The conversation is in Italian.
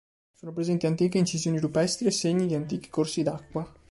Sono presenti antiche incisioni rupestri e segni di antichi corsi d'acqua.